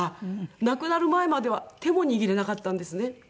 亡くなる前までは手も握れなかったんですね。